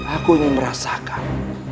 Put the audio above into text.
aku ingin merasakan